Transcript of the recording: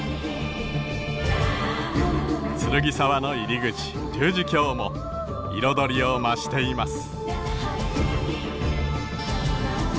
剱沢の入り口十字峡も彩りを増しています。